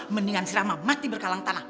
mendingan si rahma mati berkalang tanah